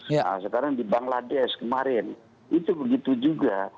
nah sekarang di bangladesh kemarin itu begitu juga